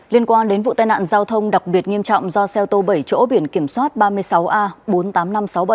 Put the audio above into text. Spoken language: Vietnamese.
liên quan đến vụ tai nạn giao thông đặc biệt nghiêm trọng do xe ô tô bảy chỗ biển kiểm soát ba mươi sáu a bốn mươi tám nghìn năm trăm sáu mươi bảy